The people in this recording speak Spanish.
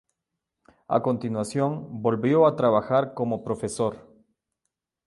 A continuación, volvió a trabajar como profesor.